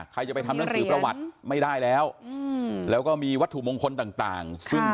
ใครจะไปทำหนังสือประวัติไม่ได้แล้วแล้วก็มีวัตถุมงคลต่างซึ่ง